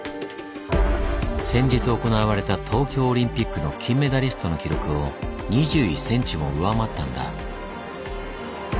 先日行われた東京オリンピックの金メダリストの記録を２１ｃｍも上回ったんだ。